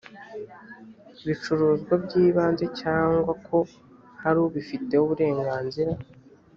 bicuruzwa by ibanze cyangwa ko hari ubifiteho uburenganzira